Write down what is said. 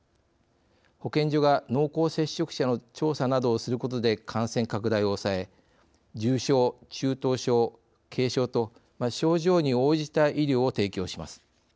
保健所が濃厚接触者の調査などをすることで感染拡大を抑え重症中等症軽症と症状に応じた医療を提供します。